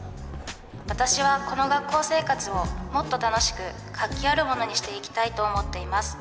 私はこの学校生活をもっと楽しく活気あるものにしていきたいと思っています。